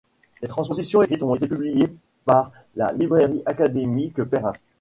Des transpositions écrites ont été publiées par la Librairie Académique Perrin.